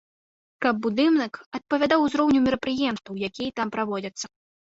Каб будынак адпавядаў узроўню мерапрыемстваў, якія там праводзяцца.